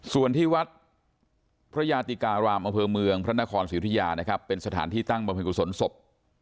ส่วนที่วัดพระยาติการามอเผิงเมืองพระนครสิรุธิยาเป็นสถานที่ตั้งประเภทกุศลสม